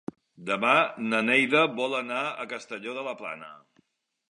Demà na Neida vol anar a Castelló de la Plana.